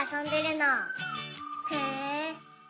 へえ。